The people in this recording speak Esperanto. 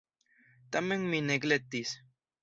Tamen mi neglektis.